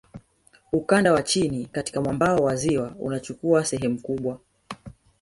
Ukanda wa chini katika mwambao wa ziwa unachukua sehemu kubwa